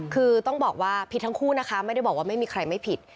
คือต้องบอกว่าผิดทั้งคู่นะคะไม่ได้บอกว่าไม่มีใครไม่ผิด